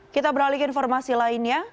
kita beralih ke informasi lainnya